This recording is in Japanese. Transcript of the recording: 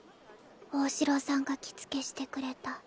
大城さんが着付けしてくれた。